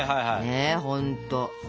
ねえほんと最高。